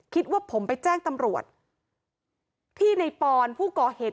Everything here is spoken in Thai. คิดว่าผมไปแจ้งตำรวจที่ในปอนผู้ก่อเหตุ